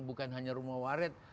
bukan hanya rumah waret